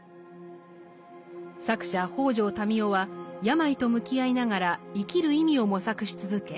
作者北條民雄は病と向き合いながら生きる意味を模索し続け